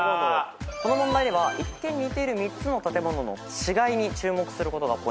この問題では一見似ている３つの建物の違いに注目することがポイントです。